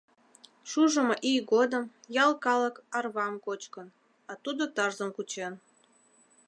Шужымо ий годым ял калык арвам кочкын, а тудо тарзым кучен.